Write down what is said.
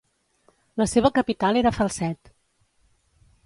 La seva capital era Falset.